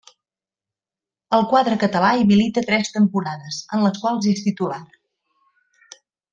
Al quadre català hi milita tres temporades, en les quals és titular.